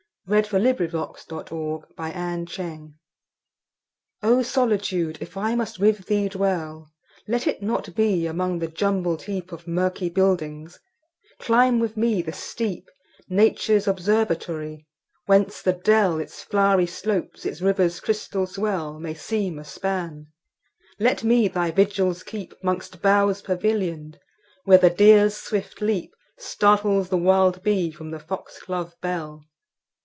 1884. 20. O Solitude! if I must with thee dwell O SOLITUDE! if I must with thee dwell, Let it not be among the jumbled heapOf murky buildings; climb with me the steep,—Nature's observatory—whence the dell, Its flowery slopes, its river's crystal swell, May seem a span; let me thy vigils keep'Mongst boughs pavillion'd, where the deer's swift leapStartles the wild bee from the fox glove bell.